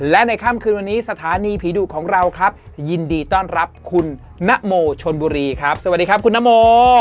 และในค่ำคืนวันนี้สถานีผีดุของเราครับยินดีต้อนรับคุณนโมชนบุรีครับสวัสดีครับคุณนโม